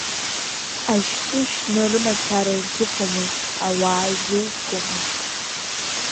Ашьтәа шьны рымацара ирзыфомызт, ауаа изеизгомызт…